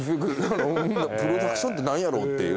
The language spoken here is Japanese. プロダクションって何やろうっていう。